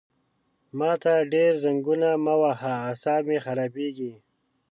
ما ته ډېر زنګونه مه وهه عصاب مې خرابېږي!